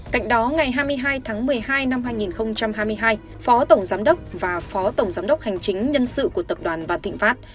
cạnh đó ngày hai mươi hai tháng một mươi hai năm hai nghìn hai mươi hai phó tổng giám đốc và phó tổng giám đốc hành chính nhân sự của tập đoàn vạn thịnh pháp